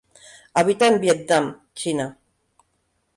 Habita en Vietnam China.